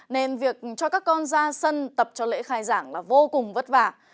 nên việc cho các con ra sân tập cho lễ khai giảng là vô cùng vất vả